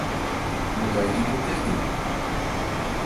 Могай гидротехник?